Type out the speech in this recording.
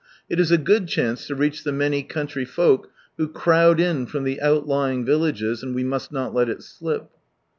It is a good chance to reach the many country folk, who crowd in from the outlying villages, and we must not let it slip.